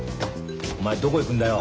お前どこ行くんだよ？